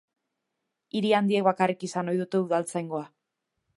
Hiri handiek bakarrik izan ohi dute udaltzaingoa.